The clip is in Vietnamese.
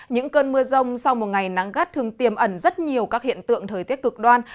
những cơn mưa rông sau một ngày nắng gắt thường tiềm ẩn rất nhiều các hiện tượng thời tiết cực đoan